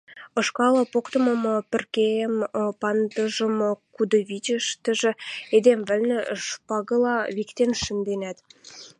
Ышкал поктымы пӹркем пандыжым кудыштышы эдем вӹкӹ шпагыла виктен шӹнденӓт